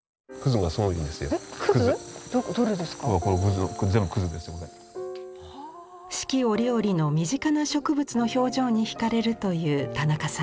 四季折々の身近な植物の表情にひかれるという田中さん。